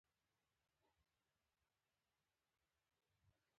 کاربن ډای اکساید د حجروي تنفس له کبله تولیدیږي.